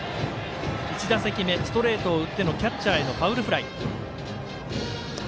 １打席目、ストレートを打ってのキャッチャーへのファウルフライ。